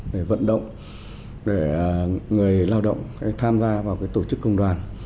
để vận động để người lao động tham gia vào tổ chức công đoàn